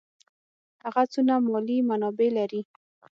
هغه څونه مالي منابع لري.